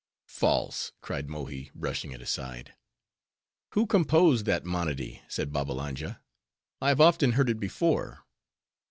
"False!" cried Mohi, brushing it aside. "Who composed that monody?" said Babbalanja. "I have often heard it before."